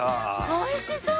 おいしそう！